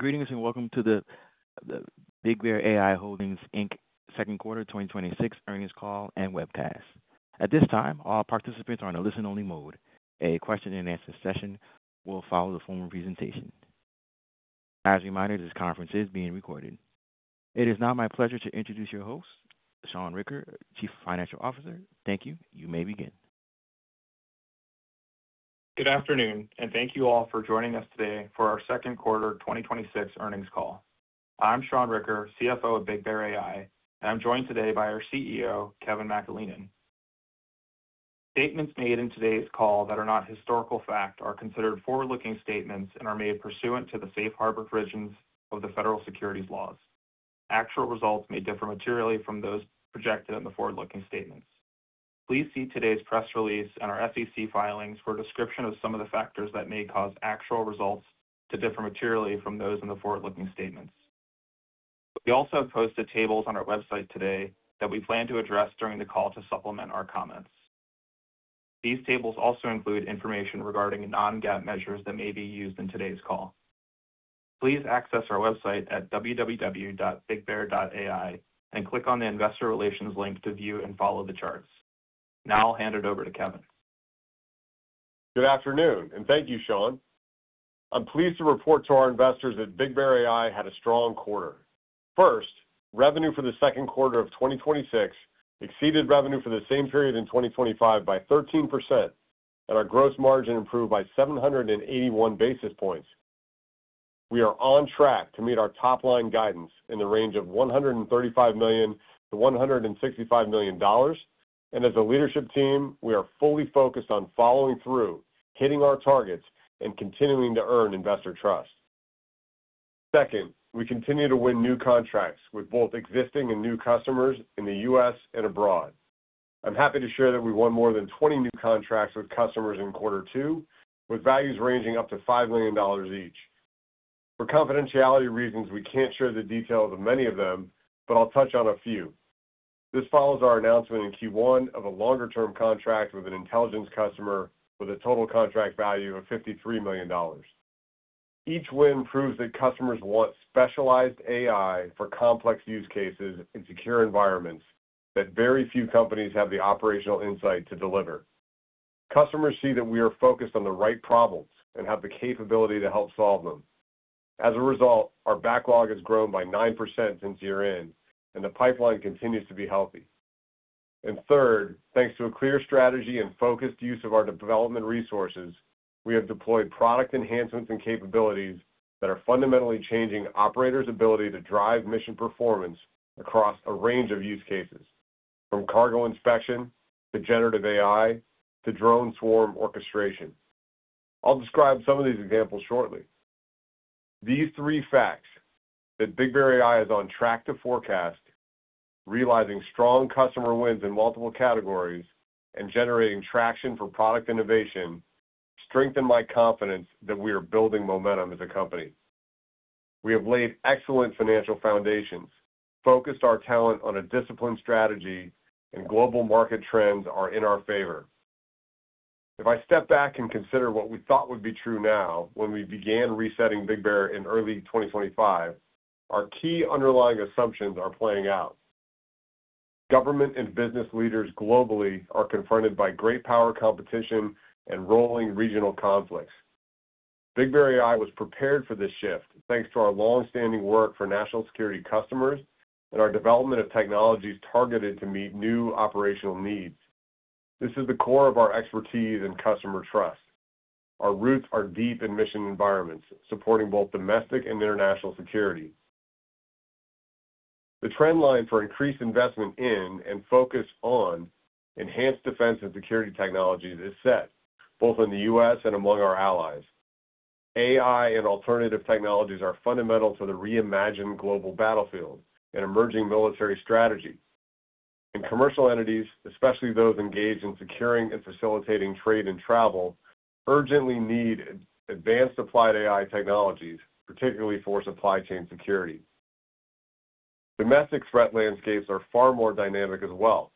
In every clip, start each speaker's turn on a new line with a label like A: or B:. A: Greetings, and welcome to the BigBear.ai Holdings, Inc second quarter 2026 earnings call and webcast. At this time, all participants are in a listen-only mode. A question-and-answer session will follow the formal presentation. As a reminder, this conference is being recorded. It is now my pleasure to introduce your host, Sean Ricker, Chief Financial Officer. Thank you. You may begin.
B: Good afternoon, and thank you all for joining us today for our second quarter 2026 earnings call. I'm Sean Ricker, CFO of BigBear.ai. I'm joined today by our CEO, Kevin McAleenan. Statements made in today's call that are not historical fact are considered forward-looking statements and are made pursuant to the safe harbor provisions of the federal securities laws. Actual results may differ materially from those projected in the forward-looking statements. Please see today's press release and our SEC filings for a description of some of the factors that may cause actual results to differ materially from those in the forward-looking statements. We also have posted tables on our website today that we plan to address during the call to supplement our comments. These tables also include information regarding non-GAAP measures that may be used in today's call. Please access our website at www.bigbear.ai and click on the Investor Relations link to view and follow the charts. Now, I'll hand it over to Kevin.
C: Good afternoon, and thank you, Sean. I'm pleased to report to our investors that BigBear.ai had a strong quarter. First, revenue for the second quarter of 2026 exceeded revenue for the same period in 2025 by 13%, and our gross margin improved by 781 basis points. We are on track to meet our top-line guidance in the range of $135 million-$165 million. As a leadership team, we are fully focused on following through, hitting our targets, and continuing to earn investor trust. Second, we continue to win new contracts with both existing and new customers in the U.S. and abroad. I'm happy to share that we won more than 20 new contracts with customers in quarter two, with values ranging up to $5 million each. For confidentiality reasons, we can't share the details of many of them, but I'll touch on a few. This follows our announcement in Q1 of a longer-term contract with an intelligence customer with a total contract value of $53 million. Each win proves that customers want specialized AI for complex use cases in secure environments that very few companies have the operational insight to deliver. Customers see that we are focused on the right problems and have the capability to help solve them. As a result, our backlog has grown by 9% since year end, and the pipeline continues to be healthy. Third, thanks to a clear strategy and focused use of our development resources, we have deployed product enhancements and capabilities that are fundamentally changing operators' ability to drive mission performance across a range of use cases, from cargo inspection to generative AI to drone swarm orchestration. I'll describe some of these examples shortly. These three facts, that BigBear.ai is on track to forecast, realizing strong customer wins in multiple categories, and generating traction for product innovation, strengthen my confidence that we are building momentum as a company. We have laid excellent financial foundations, focused our talent on a disciplined strategy, and global market trends are in our favor. If I step back and consider what we thought would be true now when we began resetting BigBear.ai in early 2025, our key underlying assumptions are playing out. Government and business leaders globally are confronted by great power competition and rolling regional conflicts. BigBear.ai was prepared for this shift, thanks to our long-standing work for national security customers and our development of technologies targeted to meet new operational needs. This is the core of our expertise and customer trust. Our roots are deep in mission environments, supporting both domestic and international security. The trend line for increased investment in and focus on enhanced defense and security technologies is set both in the U.S. and among our allies. AI and alternative technologies are fundamental to the reimagined global battlefield and emerging military strategy. Commercial entities, especially those engaged in securing and facilitating trade and travel, urgently need advanced applied AI technologies, particularly for supply chain security. Domestic threat landscapes are far more dynamic as well.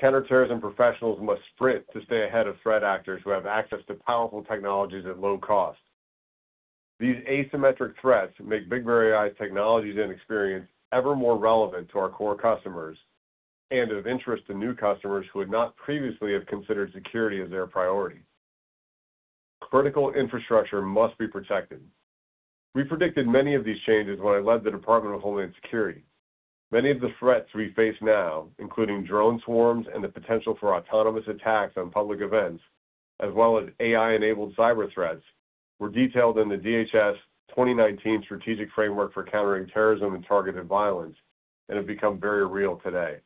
C: Counterterrorism professionals must sprint to stay ahead of threat actors who have access to powerful technologies at low cost. These asymmetric threats make BigBear.ai's technologies and experience ever more relevant to our core customers and of interest to new customers who would not previously have considered security as their priority. Critical infrastructure must be protected. We predicted many of these changes when I led the Department of Homeland Security. Many of the threats we face now, including drone swarms and the potential for autonomous attacks on public events, as well as AI-enabled cyber threats, were detailed in the DHS 2019 Strategic Framework for Countering Terrorism and Targeted Violence and have become very real today.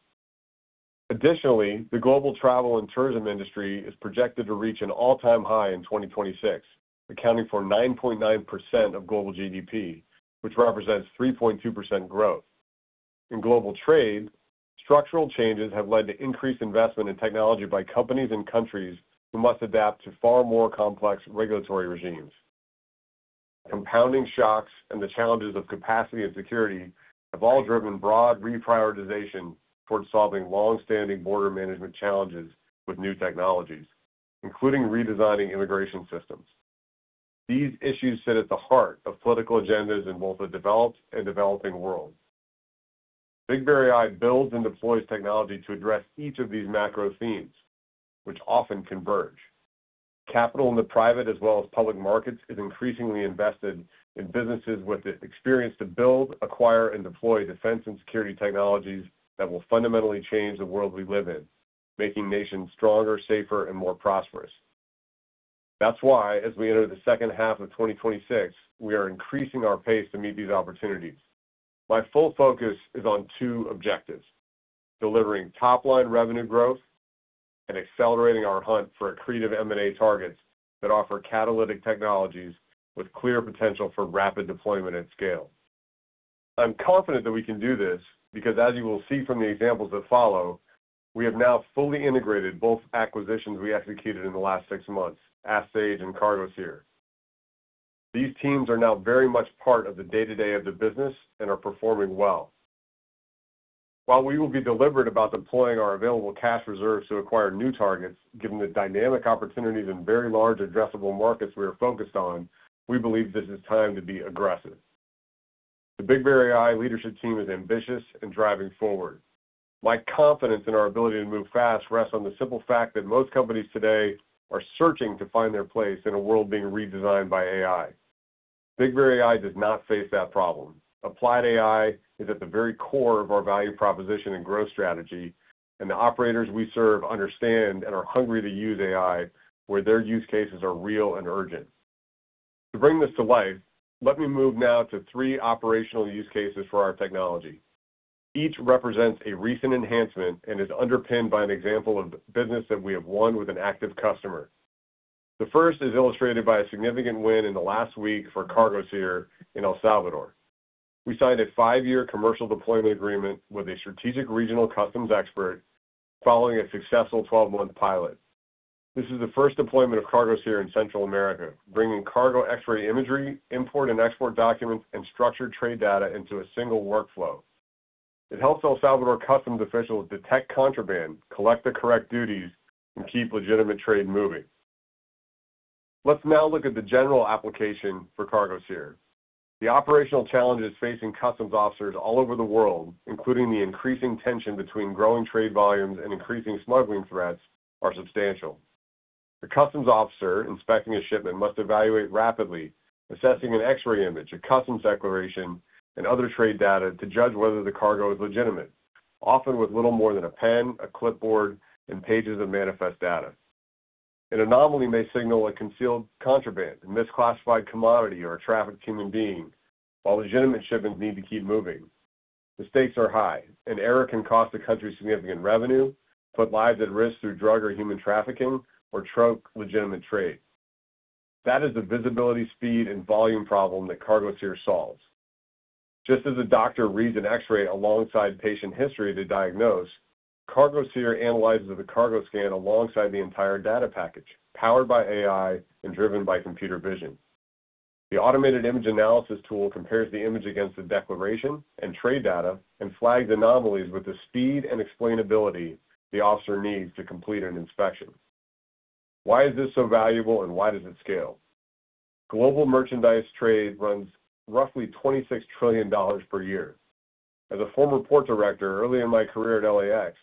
C: Additionally, the global travel and tourism industry is projected to reach an all-time high in 2026, accounting for 9.9% of global GDP, which represents 3.2% growth. In global trade, structural changes have led to increased investment in technology by companies and countries who must adapt to far more complex regulatory regimes. Compounding shocks and the challenges of capacity and security have all driven broad reprioritization towards solving long-standing border management challenges with new technologies, including redesigning immigration systems. These issues sit at the heart of political agendas in both the developed and developing world. BigBear.ai builds and deploys technology to address each of these macro themes, which often converge. Capital in the private as well as public markets is increasingly invested in businesses with the experience to build, acquire, and deploy defense and security technologies that will fundamentally change the world we live in, making nations stronger, safer, and more prosperous. That's why, as we enter the second half of 2026, we are increasing our pace to meet these opportunities. My full focus is on two objectives—delivering top-line revenue growth and accelerating our hunt for accretive M&A targets that offer catalytic technologies with clear potential for rapid deployment at scale. I'm confident that we can do this because, as you will see from the examples that follow, we have now fully integrated both acquisitions we executed in the last six months, Ask Sage and CargoSeer. These teams are now very much part of the day-to-day of the business and are performing well. While we will be deliberate about deploying our available cash reserves to acquire new targets, given the dynamic opportunities and very large addressable markets we are focused on, we believe this is time to be aggressive. The BigBear.ai leadership team is ambitious and driving forward. My confidence in our ability to move fast rests on the simple fact that most companies today are searching to find their place in a world being redesigned by AI. BigBear.ai does not face that problem. Applied AI is at the very core of our value proposition and growth strategy, and the operators we serve understand and are hungry to use AI where their use cases are real and urgent. To bring this to life, let me move now to three operational use cases for our technology. Each represents a recent enhancement and is underpinned by an example of business that we have won with an active customer. The first is illustrated by a significant win in the last week for CargoSeer in El Salvador. We signed a five-year commercial deployment agreement with a strategic regional Customs expert following a successful 12-month pilot. This is the first deployment of CargoSeer in Central America, bringing cargo X-ray imagery, import and export documents, and structured trade data into a single workflow. It helps El Salvador Customs officials detect contraband, collect the correct duties, and keep legitimate trade moving. Let's now look at the general application for CargoSeer. The operational challenges facing Customs officers all over the world, including the increasing tension between growing trade volumes and increasing smuggling threats, are substantial. The Customs officer inspecting a shipment must evaluate rapidly, assessing an X-ray image, a Customs declaration, and other trade data to judge whether the cargo is legitimate, often with little more than a pen, a clipboard, and pages of manifest data. An anomaly may signal a concealed contraband, a misclassified commodity, or a trafficked human being, while legitimate shipments need to keep moving. The stakes are high. An error can cost the country significant revenue, put lives at risk through drug or human trafficking, or choke legitimate trade. That is a visibility, speed, and volume problem that CargoSeer solves. Just as a doctor reads an X-ray alongside patient history to diagnose, CargoSeer analyzes the cargo scan alongside the entire data package, powered by AI and driven by computer vision. The automated image analysis tool compares the image against the declaration and trade data and flags anomalies with the speed and explainability the officer needs to complete an inspection. Why is this so valuable, and why does it scale? Global merchandise trade runs roughly $26 trillion per year. As a former port director early in my career at LAX,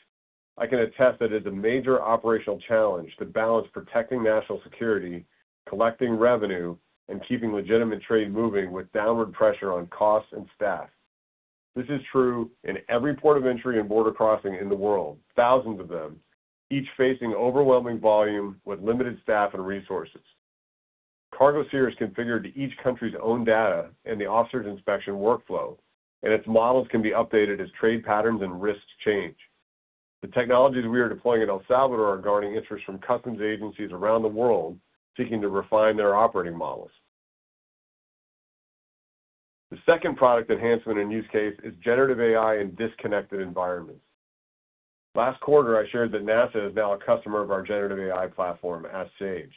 C: I can attest that it's a major operational challenge to balance protecting national security, collecting revenue, and keeping legitimate trade moving with downward pressure on costs and staff. This is true in every port of entry and border crossing in the world, thousands of them, each facing overwhelming volume with limited staff and resources. CargoSeer is configured to each country's own data and the officer's inspection workflow, and its models can be updated as trade patterns and risks change. The technologies we are deploying in El Salvador are garnering interest from Customs agencies around the world seeking to refine their operating models. The second product enhancement and use case is generative AI in disconnected environments. Last quarter, I shared that NASA is now a customer of our generative AI platform, Ask Sage.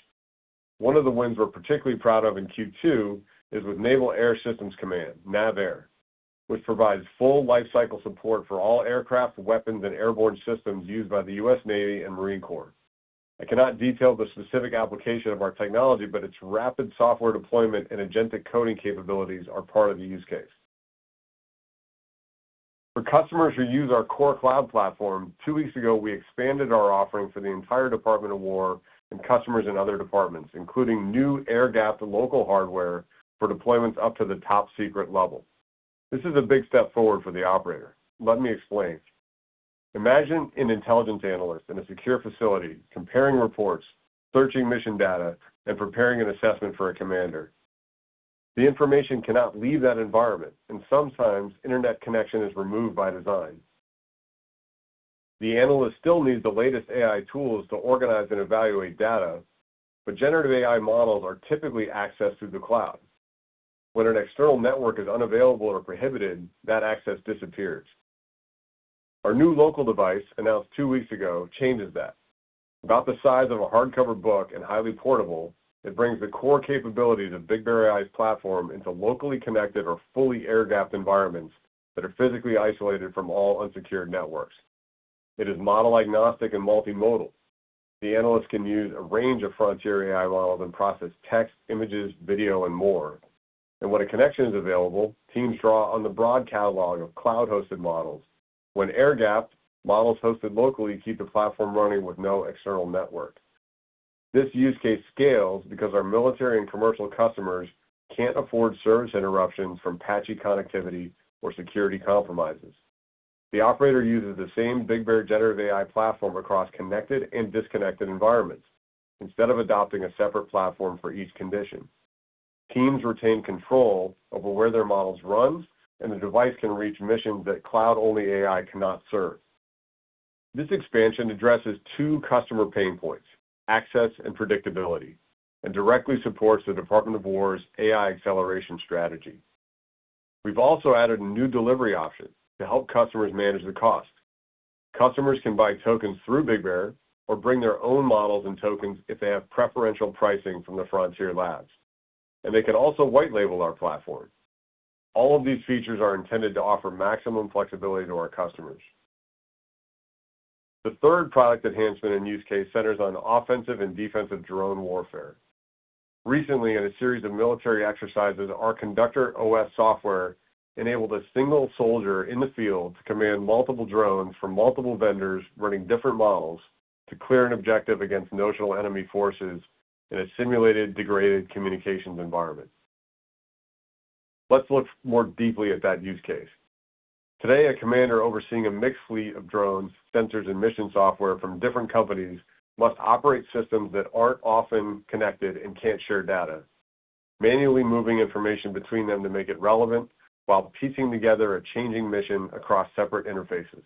C: One of the wins we're particularly proud of in Q2 is with Naval Air Systems Command, NAVAIR, which provides full lifecycle support for all aircraft, weapons, and airborne systems used by the U.S. Navy and Marine Corps. I cannot detail the specific application of our technology, but its rapid software deployment and agentic coding capabilities are part of the use case. For customers who use our core cloud platform, two weeks ago, we expanded our offering for the entire Department of War and customers in other departments, including new air-gapped local hardware for deployments up to the top-secret level. This is a big step forward for the operator. Let me explain. Imagine an intelligence analyst in a secure facility comparing reports, searching mission data, and preparing an assessment for a commander. The information cannot leave that environment, and sometimes internet connection is removed by design. The analyst still needs the latest AI tools to organize and evaluate data, but generative AI models are typically accessed through the cloud. When an external network is unavailable or prohibited, that access disappears. Our new local device, announced two weeks ago, changes that. About the size of a hardcover book and highly portable, it brings the core capabilities of BigBear.ai's platform into locally-connected or fully air-gapped environments that are physically isolated from all unsecured networks. It is model agnostic and multimodal. The analyst can use a range of frontier AI models and process text, images, video, and more. When a connection is available, teams draw on the broad catalog of cloud-hosted models. When air-gapped, models hosted locally keep the platform running with no external network. This use case scales because our military and commercial customers can't afford service interruptions from patchy connectivity or security compromises. The operator uses the same BigBear.ai generative AI platform across connected and disconnected environments instead of adopting a separate platform for each condition. Teams retain control over where their models run, and the device can reach missions that cloud-only AI cannot serve. This expansion addresses two customer pain points, access and predictability, and directly supports the Department of War's AI acceleration strategy. We've also added new delivery options to help customers manage the cost. Customers can buy tokens through BigBear.ai or bring their own models and tokens if they have preferential pricing from Frontier Labs, and they can also white label our platform. All of these features are intended to offer maximum flexibility to our customers. The third product enhancement and use case centers on offensive and defensive drone warfare. Recently, in a series of military exercises, our ConductorOS software enabled a single soldier in the field to command multiple drones from multiple vendors running different models to clear an objective against notional enemy forces in a simulated degraded communications environment. Let's look more deeply at that use case. Today, a commander overseeing a mixed fleet of drones, sensors, and mission software from different companies must operate systems that aren't often connected and can't share data, manually moving information between them to make it relevant while piecing together a changing mission across separate interfaces.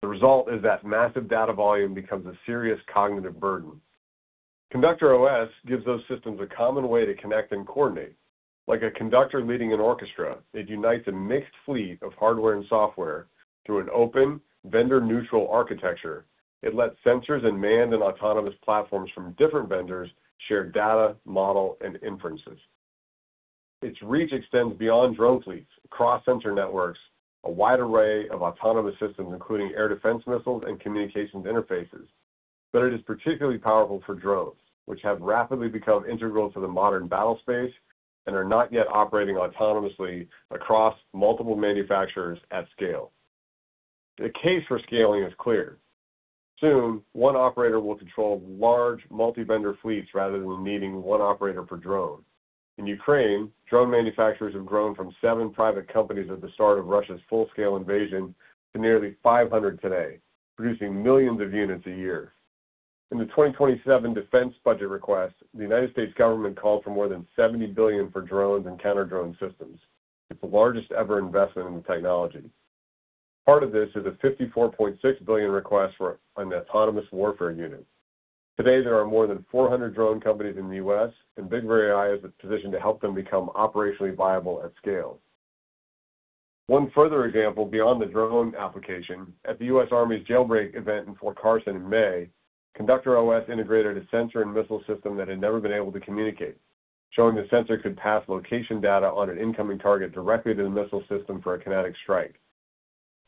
C: The result is that massive data volume becomes a serious cognitive burden. ConductorOS gives those systems a common way to connect and coordinate. Like a conductor leading an orchestra, it unites a mixed fleet of hardware and software through an open vendor-neutral architecture. It lets sensors and manned and autonomous platforms from different vendors share data, model, and inferences. Its reach extends beyond drone fleets, cross-sensor networks, a wide array of autonomous systems, including air defense missiles and communications interfaces. It is particularly powerful for drones, which have rapidly become integral to the modern battle space and are not yet operating autonomously across multiple manufacturers at scale. The case for scaling is clear. Soon, one operator will control large multi-vendor fleets rather than needing one operator per drone. In Ukraine, drone manufacturers have grown from seven private companies at the start of Russia's full-scale invasion to nearly 500 today, producing millions of units a year. In the 2027 defense budget request, the United States government called for more than $70 billion for drones and counter-drone systems. It's the largest ever investment in the technology. Part of this is a $54.6 billion request for an autonomous warfare unit. Today, there are more than 400 drone companies in the U.S., and BigBear.ai is positioned to help them become operationally viable at scale. One further example beyond the drone application, at the U.S. Army's Jailbreak event in Fort Carson in May, ConductorOS integrated a sensor and missile system that had never been able to communicate, showing the sensor could pass location data on an incoming target directly to the missile system for a kinetic strike.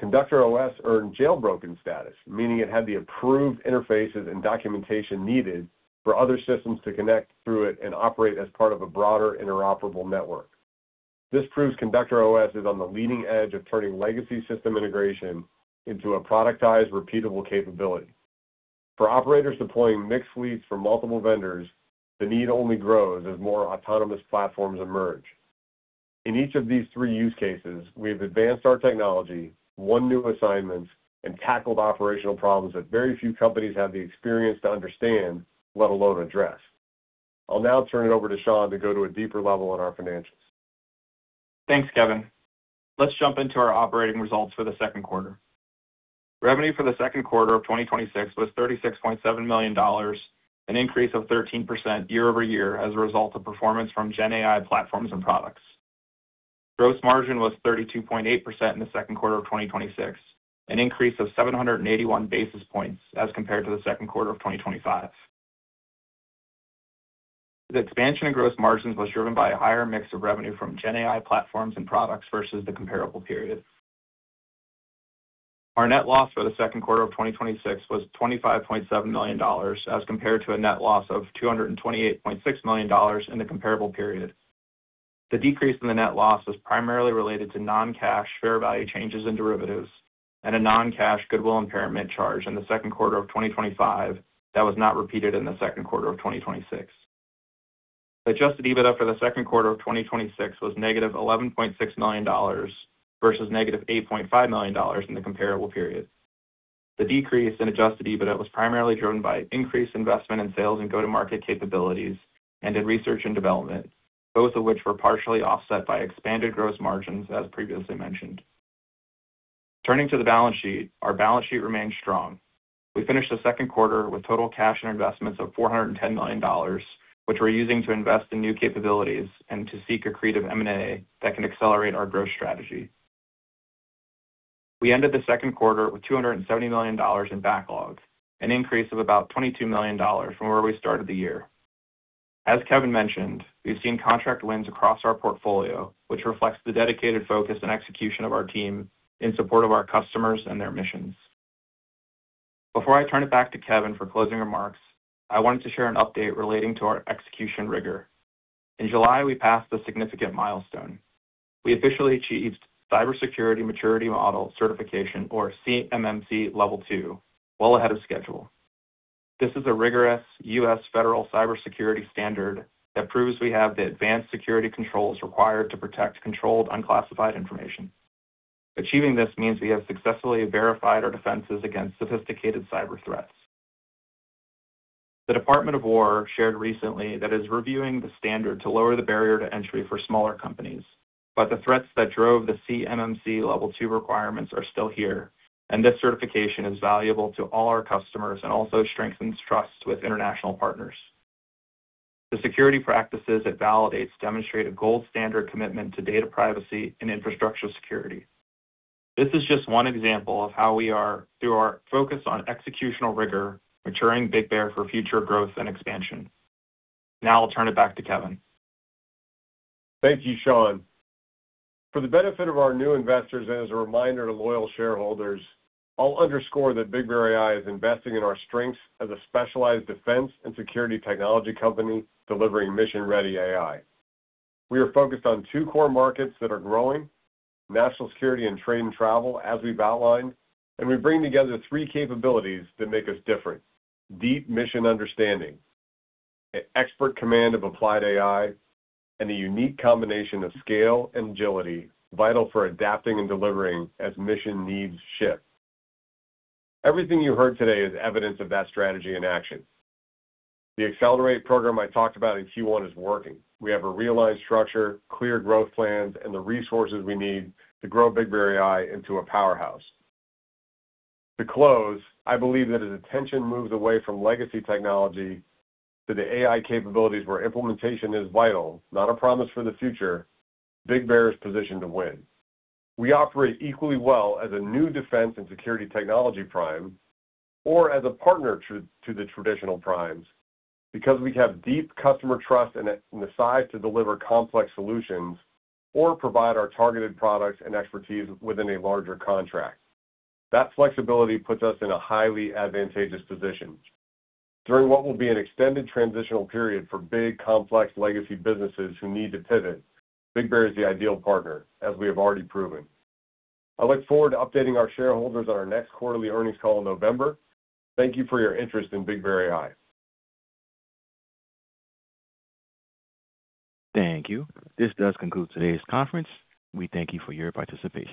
C: ConductorOS earned jailbroken status, meaning it had the approved interfaces and documentation needed for other systems to connect through it and operate as part of a broader interoperable network. This proves ConductorOS is on the leading edge of turning legacy system integration into a productized, repeatable capability. For operators deploying mixed fleets from multiple vendors, the need only grows as more autonomous platforms emerge. In each of these three use cases, we've advanced our technology, won new assignments, and tackled operational problems that very few companies have the experience to understand, let alone address. I'll now turn it over to Sean to go to a deeper level on our financials.
B: Thanks, Kevin. Let's jump into our operating results for the second quarter. Revenue for the second quarter of 2026 was $36.7 million, an increase of 13% year-over-year as a result of performance from GenAI platforms and products. Gross margin was 32.8% in the second quarter of 2026, an increase of 781 basis points as compared to the second quarter of 2025. The expansion in gross margins was driven by a higher mix of revenue from GenAI platforms and products versus the comparable period. Our net loss for the second quarter of 2026 was $25.7 million as compared to a net loss of $228.6 million in the comparable period. The decrease in the net loss was primarily related to non-cash fair value changes in derivatives and a non-cash goodwill impairment charge in the second quarter of 2025 that was not repeated in the second quarter of 2026. Adjusted EBITDA for the second quarter of 2026 was -$11.6 million versus -$8.5 million in the comparable period. The decrease in Adjusted EBITDA was primarily driven by increased investment in sales and go-to-market capabilities and in research and development, both of which were partially offset by expanded gross margins, as previously mentioned. Turning to the balance sheet, our balance sheet remained strong. We finished the second quarter with total cash and investments of $410 million, which we're using to invest in new capabilities and to seek accretive M&A that can accelerate our growth strategy. We ended the second quarter with $270 million in backlogs, an increase of about $22 million from where we started the year. As Kevin mentioned, we've seen contract wins across our portfolio, which reflects the dedicated focus and execution of our team in support of our customers and their missions. Before I turn it back to Kevin for closing remarks, I wanted to share an update relating to our execution rigor. In July, we passed a significant milestone. We officially achieved Cybersecurity Maturity Model Certification, or CMMC, Level 2, well ahead of schedule. This is a rigorous U.S. federal cybersecurity standard that proves we have the advanced security controls required to protect Controlled Unclassified Information. Achieving this means we have successfully verified our defenses against sophisticated cyber threats. The Department of War shared recently that it's reviewing the standard to lower the barrier to entry for smaller companies, but the threats that drove the CMMC Level 2 requirements are still here, and this certification is valuable to all our customers and also strengthens trust with international partners. The security practices it validates demonstrate a gold-standard commitment to data privacy and infrastructure security. This is just one example of how we are, through our focus on executional rigor, maturing BigBear.ai for future growth and expansion. Now, I'll turn it back to Kevin.
C: Thank you, Sean. For the benefit of our new investors and as a reminder to loyal shareholders, I'll underscore that BigBear.ai is investing in our strengths as a specialized defense and security technology company delivering mission-ready AI. We are focused on two core markets that are growing, national security and trade and travel, as we've outlined, and we bring together three capabilities that make us different. Deep mission understanding, an expert command of applied AI, and a unique combination of scale and agility vital for adapting and delivering as mission needs shift. Everything you heard today is evidence of that strategy in action. The accelerate program I talked about in Q1 is working. We have a realigned structure, clear growth plans, and the resources we need to grow BigBear.ai into a powerhouse. To close, I believe that as attention moves away from legacy technology to the AI capabilities where implementation is vital, not a promise for the future, BigBear.ai is positioned to win. We operate equally well as a new defense and security technology prime or as a partner to the traditional primes because we have deep customer trust and the size to deliver complex solutions or provide our targeted products and expertise within a larger contract. That flexibility puts us in a highly advantageous position. During what will be an extended transitional period for big, complex legacy businesses who need to pivot, BigBear.ai is the ideal partner, as we have already proven. I look forward to updating our shareholders on our next quarterly earnings call in November. Thank you for your interest in BigBear.ai.
A: Thank you. This does conclude today's conference. We thank you for your participation.